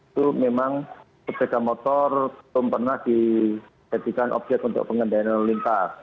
itu memang sepeda motor belum pernah dijadikan objek untuk pengendalian lalu lintas